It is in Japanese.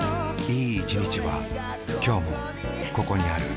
いい一日はきょうもここにある